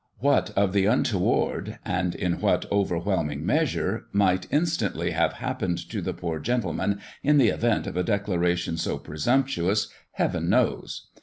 What of the untoward and in what over whelming measure might instantly have hap pened to the poor gentleman, in the event of a declaration so presumptuous, heaven knows